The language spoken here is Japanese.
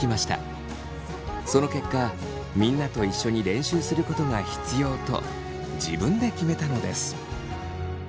その結果みんなと一緒に練習することが必要と自分で決めたのです。